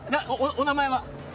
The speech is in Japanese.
お名前は？